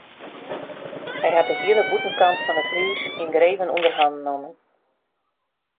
Hy hat de hiele bûtenkant fan it hús yngreven ûnder hannen nommen.